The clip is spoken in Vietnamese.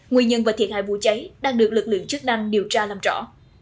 nguyên nhân và thiệt hại vụ cháy đang được lực lượng chức năng điều tra làm rõ